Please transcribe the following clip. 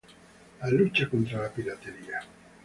La lucha contra la piratería.